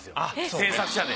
制作者で。